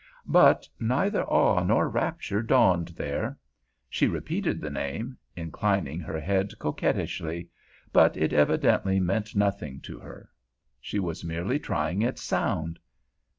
But neither awe nor rapture dawned there. She repeated the name, inclining her head coquettishly; but it evidently meant nothing to her. She was merely trying its sound.